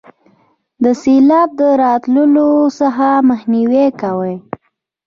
د سیلاب راتللو څخه مخنیوي کوي.